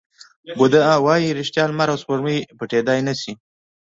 بودا وایي ریښتیا، لمر او سپوږمۍ پټېدای نه شي.